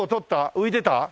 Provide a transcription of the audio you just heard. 浮いてた？